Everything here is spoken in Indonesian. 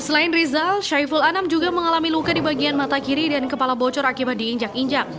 selain rizal syaiful anam juga mengalami luka di bagian mata kiri dan kepala bocor akibat diinjak injak